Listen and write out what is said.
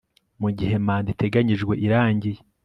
mu gihe manda iteganyijwe irangiye